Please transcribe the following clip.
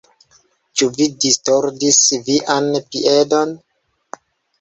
Ĉu vi distordis vian piedon?